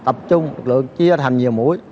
tập trung lượng chia thành nhiều mũi